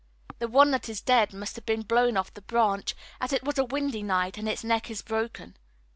The one that is dead must have been blown off the branch, as it was a windy night and its neck is broken.